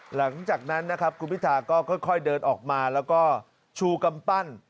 หลังจากนั้นนะครับคุณพิธาก็ค่อยเดินออกมาแล้วก็ชูกำปั้น